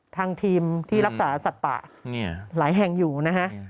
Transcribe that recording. ทางทีมที่รักษาสัตว์ป่าหลายแห่งอยู่นะฮะ